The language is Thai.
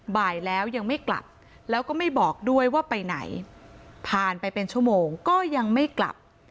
บ่ายแล้วยังไม่กลับแล้วก็ไม่บอกด้วยว่าไปไหนผ่านไปเป็นชั่วโมงก็ยังไม่กลับ